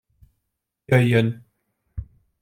Jöjjön!